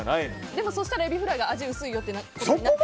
でも、そうしたらエビフライが味薄いよって感じに。